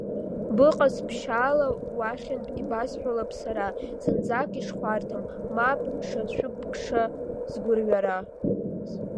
Быҟаз ԥшьаала, уахьынтә ибасҳәалап сара, зынӡак ишхәарҭам, мап шацәыбкша сгәырҩара…